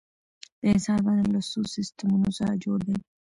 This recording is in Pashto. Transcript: د انسان بدن له څو سیستمونو څخه جوړ دی